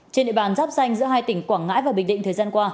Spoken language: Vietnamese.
trên địa bàn giáp danh giữa hai tỉnh quảng ngãi và bình định thời gian qua